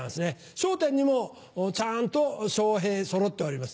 『笑点』にもちゃんとショウヘイそろっております。